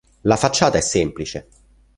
Le facciata è semplice.